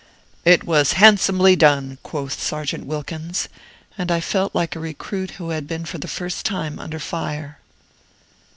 "It was handsomely done!" quoth Sergeant Wilkins; and I felt like a recruit who had been for the first time under fire.